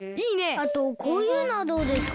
あとこういうのはどうですか？